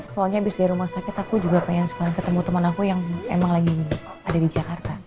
soalnya abis dari rumah sakit aku juga pengen sekalian ketemu teman aku yang emang lagi ada di jakarta